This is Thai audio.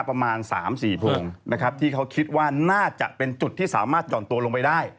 ประมาณ๓๔โพงนะครับที่เขาคิดว่าน่าจะเป็นจุดที่สามารถหย่อนตัวลงไปได้